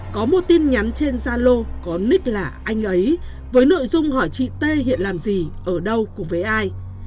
có một tin nhắn trên zalo có nick là anh ấy với nội dung hỏi chị t hiện làm gì ở đâu cùng với ai